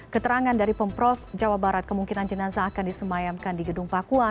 keterangan dari pemprov jawa barat kemungkinan jenazah akan disemayamkan di gedung pakuan